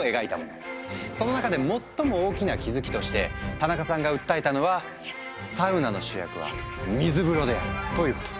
その中で最も大きな気付きとしてタナカさんが訴えたのは「サウナの主役は水風呂である」ということ。